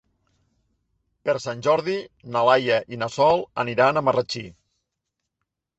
Per Sant Jordi na Laia i na Sol aniran a Marratxí.